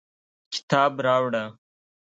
کتاب راوړه